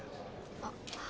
あっ！